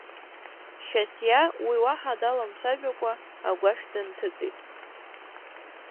Шьасиа уи уаҳа даламцәажәакәа агәашә дынҭыҵит.